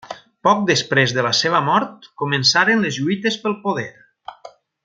Poc després de la seva mort començaren les lluites pel poder.